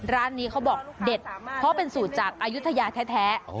ร้านนี้เขาบอกเด็ดเพราะเป็นสูตรจากอายุทยาแท้